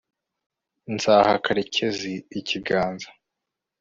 nzaha karekezi ikiganza